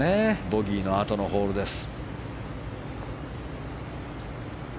ボギーのあとのホールです。